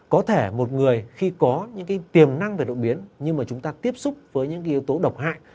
có thể một người khi có những cái tiềm năng về đột biến nhưng mà chúng ta tiếp xúc với những yếu tố độc hại